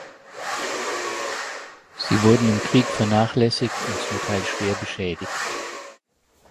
Sie wurden im Krieg vernachlässigt und zum Teil schwer beschädigt.